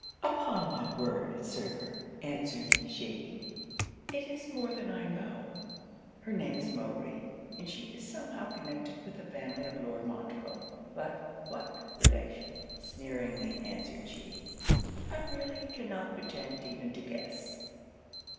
'Upon my word, Sir,' answered she, 'it is more than I know. Her name is Mowbray; and she is somehow connected with the family of Lord Montreville; but what relation,' (sneeringly answered she) 'I really cannot pretend even to guess.'